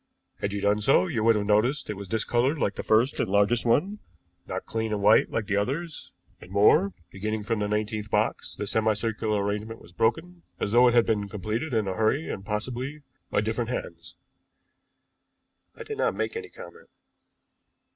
"Had you done so you would have noticed that it was discolored like the first and largest one, not clean and white like the others and more, beginning from the nineteenth box the semi circular arrangement was broken, as though it had been completed in a hurry, and possibly by different hands." I did not make any comment.